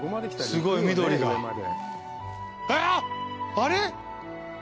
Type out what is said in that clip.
あれ？